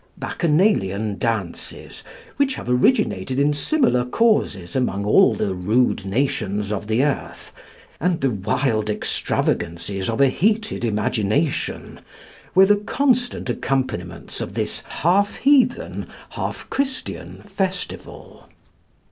Bacchanalian dances, which have originated in similar causes among all the rude nations of the earth, and the wild extravagancies of a heated imagination, were the constant accompaniments of this half heathen, half Christian festival.